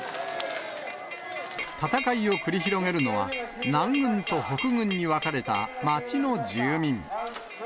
戦いを繰り広げるのは、南軍と北軍に分かれた町の住民。